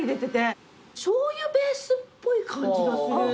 しょうゆベースっぽい感じがする。